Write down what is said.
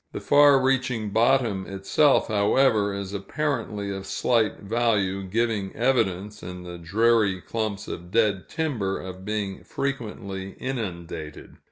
The far reaching bottom itself, however, is apparently of slight value, giving evidence, in the dreary clumps of dead timber, of being frequently inundated.